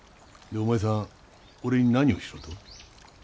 でお前さん俺に何をしろと？